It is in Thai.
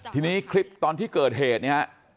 ทีนี้คลิปตอนที่เกิดเหตุเนี่ย